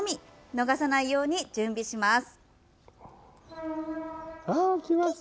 逃さないように準備します。